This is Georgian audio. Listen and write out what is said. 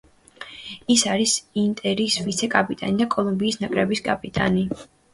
ის არის ინტერის ვიცე-კაპიტანი და კოლუმბიის ნაკრების კაპიტანი.